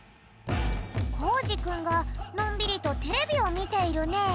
コージくんがのんびりとテレビをみているね。